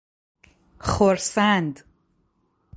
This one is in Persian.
خورسند